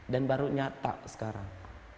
dan baru nyata sekarang